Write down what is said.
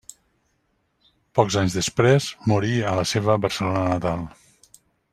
Pocs anys després, morí a la seva Barcelona natal.